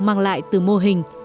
mang lại từ mô hình